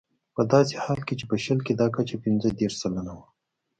په داسې حال کې چې په شل کې دا کچه پنځه دېرش سلنه وه.